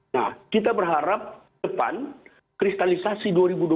nah kita berharap depan kristalisasi dua ribu dua puluh empat